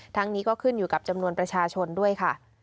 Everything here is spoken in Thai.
นี้ก็ขึ้นอยู่กับจำนวนประชาชนด้วยค่ะ